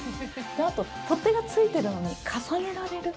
あと、取っ手がついているのに重ねられる。